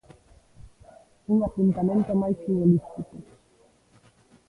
Un apuntamento máis futbolístico.